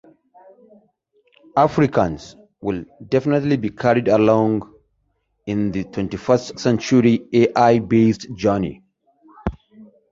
The village is within Weardale Ward, which elects two councillors to Durham County Council.